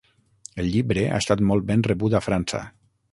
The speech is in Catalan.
El llibre ha estat molt ben rebut a França.